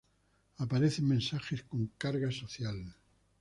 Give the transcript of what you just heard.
Aparecen mensajes con carga social.